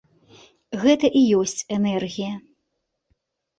Гэта і ёсць энергія.